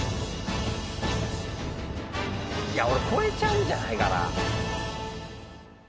いやこれ超えちゃうんじゃないかな？